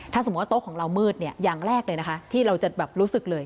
ถ้าสมมุติว่าโต๊ะของเรามืดอย่างแรกเลยนะคะที่เราจะแบบรู้สึกเลย